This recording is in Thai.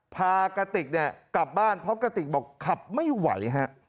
พากะติกกลับบ้านเพราะกะติกบอกขับไม่ไหว